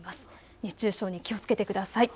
熱中症に気をつけてください。